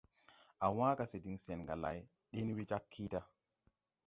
Á wãã ga se diŋ sɛn ga lay, ɗen we jag kiida.